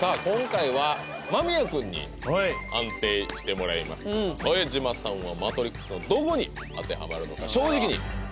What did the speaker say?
今回は間宮くんに判定してもらいます副島さんはマトリックスのどこに当てはまるのか正直に！